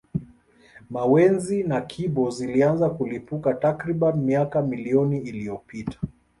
Mawenzi na Kibo zilianza kulipuka takriban miaka milioni iliyopita